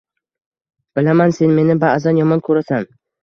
Bilaman, sen meni ba’zan yomon ko‘rasan